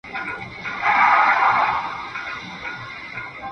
ایا افغان سوداګر وچه الوچه اخلي؟